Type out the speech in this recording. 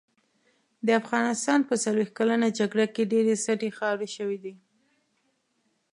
د افغانستان په څلوښت کلنه جګړه کې ډېرې سټې خاورې شوې دي.